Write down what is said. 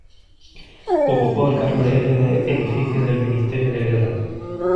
Ocupó el cargo de jefe de edificio del Ministerio de Guerra.